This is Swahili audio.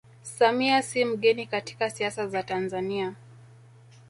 Samia si mgeni katika siasa za Tanzania